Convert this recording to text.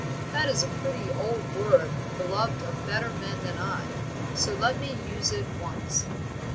That is a pretty old word beloved of better men than I, so let me use it once.